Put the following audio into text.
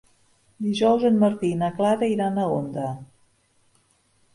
Dijous en Martí i na Clara iran a Onda.